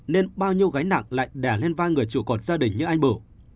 nên bao nhiêu gái nặng lại đẻ lên vai người trụ cột gia đình như anh bủ